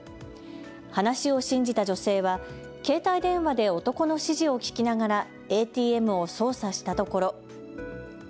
話を信じた女性は携帯電話で男の指示を聞きながらＡＴＭを操作したところ。